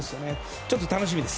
ちょっと楽しみです。